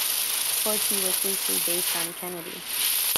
Torchy was loosely based on Kennedy.